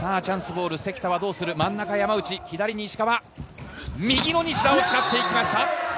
関田はどうする、真ん中山内、左は石川、右の西田を使っていきました。